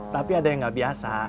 tapi ada yang nggak biasa